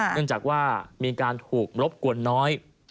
เนื่องจากว่ามีการถูกรบกวนน้อย